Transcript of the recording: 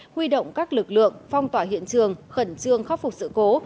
huy động các lực lượng phong tỏa hiện trường khẩn trương khắc phục sự cố